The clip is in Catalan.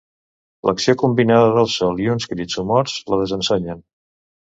L'acció combinada del sol i uns crits somorts la desensonyen.